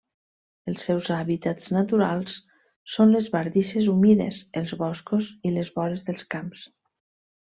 Els seus hàbitats naturals són les bardisses humides, els boscos i les vores dels camps.